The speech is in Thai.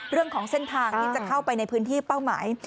เรื่องของเส้นทางที่จะเข้าไปในพื้นที่เป้าหมาย